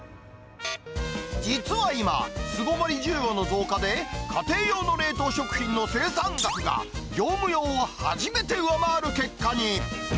実は今、巣ごもり需要の増加で、家庭用の冷凍食品の生産額が、業務用を初めて上回る結果に。